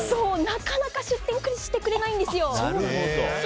なかなか出店してくれないんですよ。